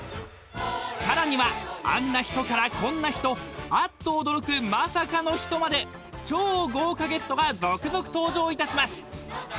［さらにはあんな人からこんな人あっと驚くまさかの人まで超豪華ゲストが続々登場いたします］